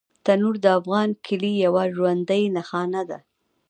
تنور د افغان کلي یوه ژوندي نښانه ده